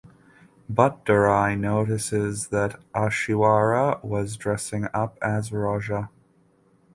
But Durai notices that Aishwarya was dressing up as Roja.